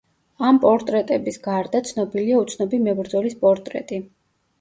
ამ პორტრეტების გარდა ცნობილია უცნობი „მებრძოლის“ პორტრეტი.